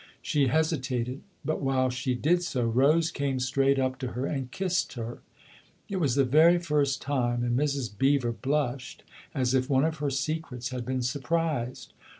She hesitated ; but while she THE OTHER HOUSE 137 did so Rose came straight up to her and kissed her. It was the very first time, and Mrs. Beever blushed as if one of her secrets had been surprised.